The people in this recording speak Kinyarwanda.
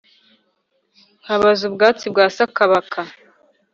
nkabaza ubwatsi bwa sakabaka